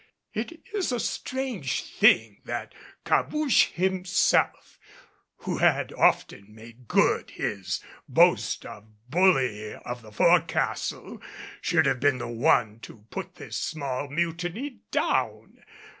It is a strange thing that Cabouche himself, who had often made good his boast of bully of the fore castle, should have been the one to put this small mutiny down.